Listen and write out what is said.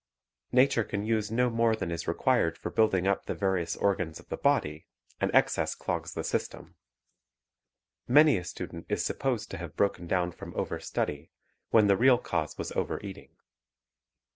Nature can use no more than is required for building up the various organs of the body, and excess clogs the system. Many a stu dent is supposed to have broken down from overstudy, when the real cause was overeating.